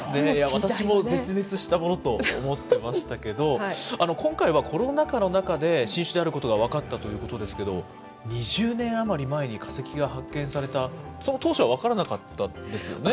私も絶滅したものと思ってましたけど、今回はコロナ禍の中で、新種であることが分かったということですけど、２０年余り前に化石が発見された、その当初は分からなかったんですよね。